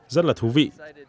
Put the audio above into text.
rất là thú vị